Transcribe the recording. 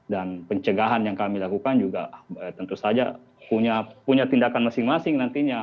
dan pencegahan yang kami lakukan juga tentu saja punya tindakan masing masing nantinya